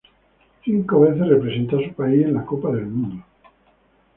Cinco veces representó a su país en la Copa del Mundo.